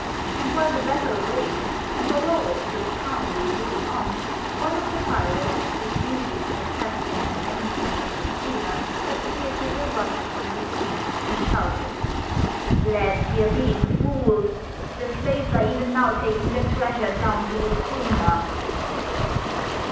And while the battle raged, and Dolores stood calmly looking on, one of the pirates whose duties had kept him at the anchorage of the schooner appeared with a rush upon the scene and shouted: "Lads, ye're being fooled! The slaves are even now taking the treasure down to the schooner!"